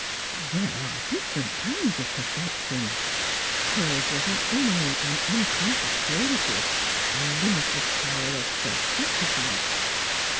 " There are different kinds of perfection. Hers was an innate and unconscious purity, a limitless power of self sacrifice.